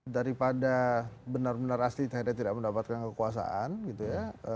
daripada benar benar asli akhirnya tidak mendapatkan kekuasaan gitu ya